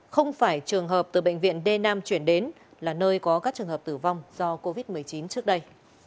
không phải trường hợp từ bệnh viện d năm chuyển đến là nơi có các trường hợp tử vong do covid một mươi chín trước đây